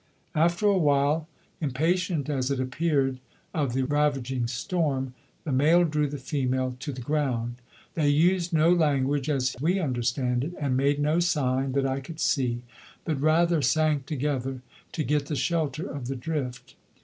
After a while, impatient as it appeared of the ravaging storm, the male drew the female to the ground. They used no language, as we understand it, and made no sign that I could see, but rather sank together to get the shelter of the drift.